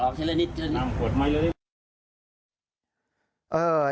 ผมพอออกเฉละนิด